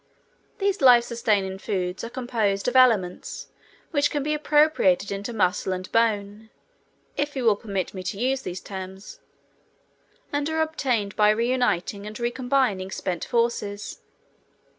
These life sustaining foods are composed of elements which can be appropriated into muscle and bone (if you will permit me to use these terms), and are obtained by reuniting and re combining spent forces.